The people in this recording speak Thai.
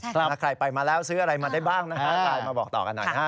ถ้าใครไปมาแล้วซื้ออะไรมาได้บ้างนะฮะไลน์มาบอกต่อกันหน่อยนะฮะ